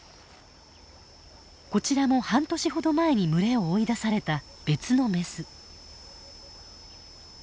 こちらも半年ほど前に群れを追い出された別のメス。